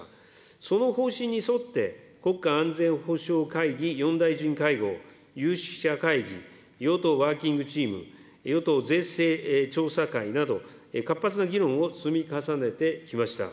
その方針に沿って、国家安全保障会議４大臣会合、有識者会議、与党ワーキングチーム、与党税制調査会など、活発な議論を積み重ねてきました。